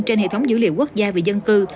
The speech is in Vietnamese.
trên hệ thống dữ liệu quốc gia về dân cư